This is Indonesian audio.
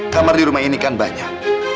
kamar di rumah ini kan banyak